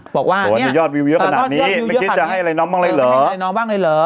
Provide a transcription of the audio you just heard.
โกโทนก้างนี้ไม่คิดจะให้อะไรบ้างเลยเหรอ